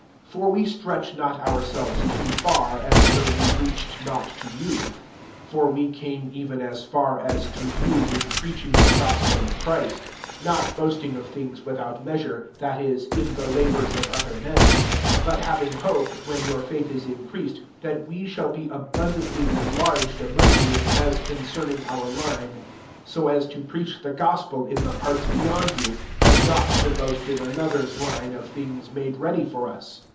*26 j^5 302 S CORINtHIANS XL 14 For we stretch not our selves too far, as though we reached not to you : (for we came even as far as to you in fir caching the gospel of Christ ;) 15 not boasting of things without measure, that isy in the labours of other men ; but having hope, when your faith is increased, that we shall be abundantly enlarged among you, as concerning our line; 16 so as to preach the gospel in the fiarts beyond you, and not to boast in another's line of things made ready for us.